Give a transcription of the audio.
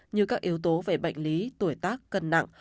như các yếu tố về bệnh lý tuổi tác cân nặng